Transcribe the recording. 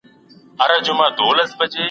پوهانو به ژور ليد د علم بنسټ باله.